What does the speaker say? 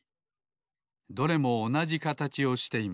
どれもおなじかたちをしています。